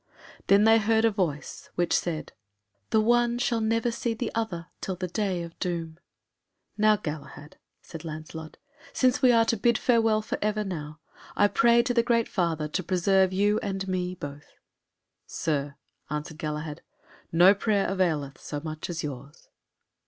Then they heard a voice which said, "The one shall never see the other till the day of doom." "Now, Galahad," said Lancelot, "since we are to bid farewell for ever now, I pray to the great Father to preserve you and me both." "Sir," answered Galahad, "no prayer availeth so much as yours."